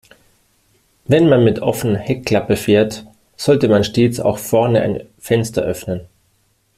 Wenn man mit offener Heckklappe fährt, sollte man stets auch vorne ein Fenster öffnen.